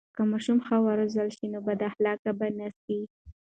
که ماشوم ښه و روزل سي، نو بد اخلاقه به نه سي.